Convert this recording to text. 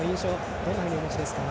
どんなふうにお持ちですか。